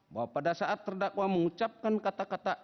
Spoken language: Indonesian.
bahwa pada saat terdakwa mengucapkan kata kata